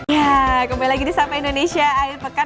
ya kembali lagi di sapa indonesia akhir pekan